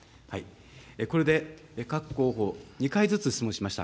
これで各候補、２回ずつ質問しました。